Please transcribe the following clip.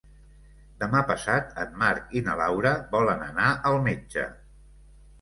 Demà passat en Marc i na Laura volen anar al metge.